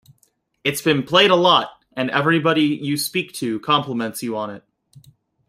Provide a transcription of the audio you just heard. It's been played a lot, and everybody you speak to compliments you on it.